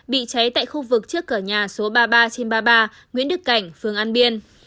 bị cháy tại khu vực trước cửa nhà số ba mươi ba trên ba mươi ba nguyễn đức cảnh phường an biên